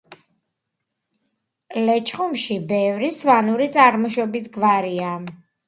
ლეჩხუმში ბევრია სვანური წარმოშობის გვარი.